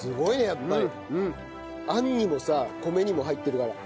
あんにもさ米にも入ってるから。